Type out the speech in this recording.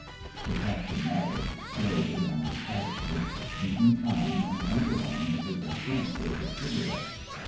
(The captain nodded, slowly and empha tically, beating time, and underlining his assent with his cigarette.)